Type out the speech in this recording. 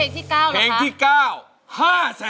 ถ้าเพลงที่๙ล่ะคะ